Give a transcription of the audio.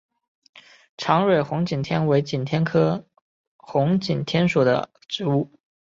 长蕊红景天为景天科红景天属的植物。